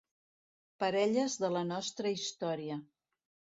"Parelles de la nostra història"